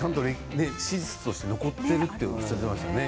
史実として残っていると言ってましたね。